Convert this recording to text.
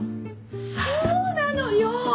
そうなのよ！